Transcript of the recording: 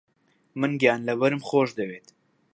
من گیانلەبەرم خۆش دەوێت.